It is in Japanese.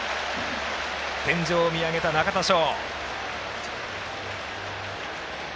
天井を見上げた、中田翔。